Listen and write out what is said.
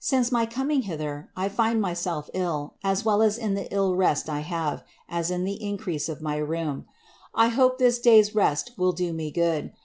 Since my coming hither, I find myself ill, as well M in the iU re$t I have, as in the increase of my rheum. 'I hope this day's rest will do me good.